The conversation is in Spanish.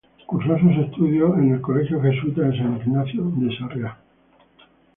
Cursó sus estudios en el colegio jesuita de San Ignacio de Sarriá.